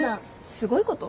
すごいこと？